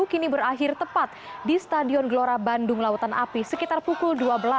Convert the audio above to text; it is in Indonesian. kini berakhir tepat di stadion gelora bandung lautan api sekitar pukul dua belas